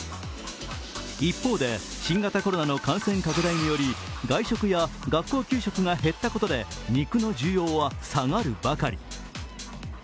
一方で新型コロナの感染拡大により外食や学校給食が減ったことで肉の需要は下がるばかり。